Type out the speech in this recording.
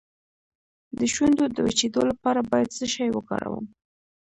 د شونډو د وچیدو لپاره باید څه شی وکاروم؟